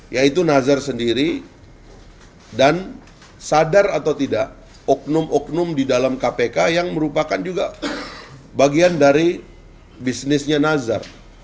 yaitu nazar sendiri dan sadar atau tidak oknum oknum di dalam kpk yang merupakan juga bagian dari bisnisnya nazar